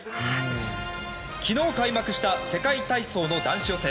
昨日、開幕した世界体操の男子予選。